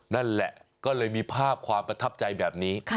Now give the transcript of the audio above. นั่นแหละก็เลยมีภาพความประทับใจแบบนี้